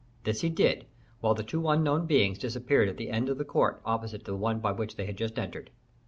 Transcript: This he did, while the two unknown beings disappeared at the end of the court opposite to the one by which they had just entered.